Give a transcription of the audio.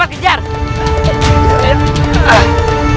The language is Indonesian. aku sudah selesai